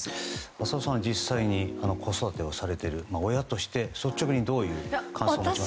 浅尾さんは、実際に子育てをされている親として率直にどういう感想をお持ちですか。